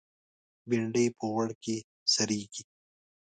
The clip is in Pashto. بېنډۍ په غوړ کې سرېږي